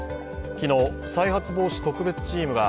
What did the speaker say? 昨日、再発防止特別チームが